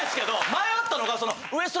前あったのが。